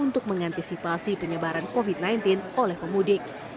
untuk mengantisipasi penyebaran covid sembilan belas oleh pemudik